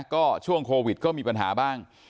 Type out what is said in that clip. ก็ช่วงโควิดก็มีปัญหาบ้าง